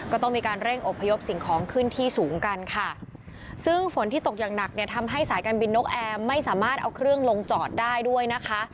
ก็ต้องมีการเร่งอบพยพสิ่งของขึ้นที่สูงกันค่ะซึ่งฝนที่ตกอย่างหนักเนี่ยทำให้สายการบินนกแอร์ไม่สามารถเอาเครื่องลงจอดได้ด้วยนะคะ